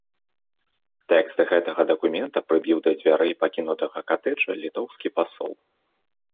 Тэкст гэтага дакумента прыбіў да дзвярэй пакінутага катэджа літоўскі пасол.